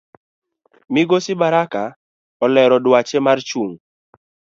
Migosi Baraka olero duache mar chung